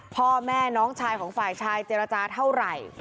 พ่อแม่น้องชายของฝ่ายชายเจรจาเท่าไหร่